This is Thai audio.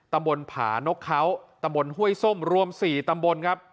ตำบลผานกเขาตำบลห้วยส้มรวม๔ตำบลครับ